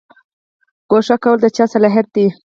ګوښه کول د چا صلاحیت دی؟